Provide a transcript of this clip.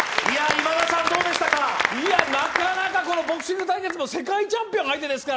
なかなかこのボクシング対決、世界チャンピオン相手ですから。